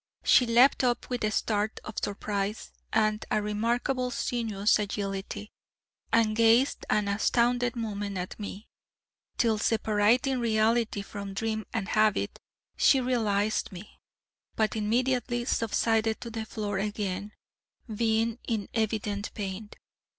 She leapt up with a start of surprise, and a remarkable sinuous agility, and gazed an astounded moment at me, till, separating reality from dream and habit, she realised me: but immediately subsided to the floor again, being in evident pain.